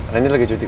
rendy lagi cuti kok